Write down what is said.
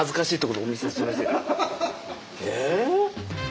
えっ！？